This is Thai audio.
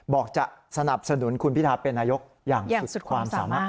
บอกจะสนับสนุนคุณพิทาเป็นนายกอย่างสุดความสามารถ